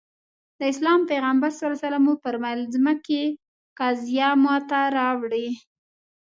د اسلام پيغمبر ص وفرمايل ځمکې قضيه ماته راوړي.